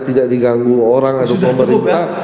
tidak diganggu orang atau pemerintah